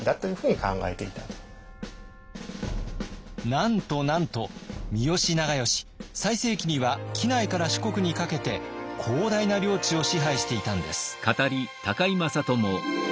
なんとなんと三好長慶最盛期には畿内から四国にかけて広大な領地を支配していたんです。